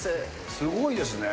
すごいですね。